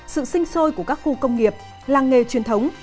sự sinh sôi của các khu công nghiệp làng nghề truyền thống